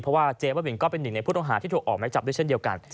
เพราะว่าเจ๊บ้าบินก็เป็นหนึ่งในผู้ต้องหาที่ถูกออกไม้จับด้วยเช่นเดียวกัน